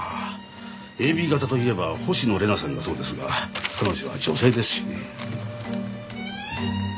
ＡＢ型といえば星野玲奈さんがそうですが彼女は女性ですしね。